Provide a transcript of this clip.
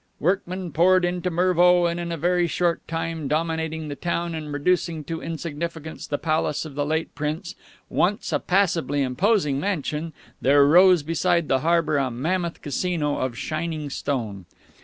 Workmen poured into Mervo, and in a very short time, dominating the town and reducing to insignificance the palace of the late Prince, once a passably imposing mansion, there rose beside the harbor a mammoth Casino of shining stone.